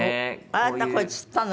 あなたこれ釣ったの？